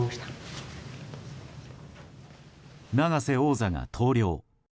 永瀬王座が投了。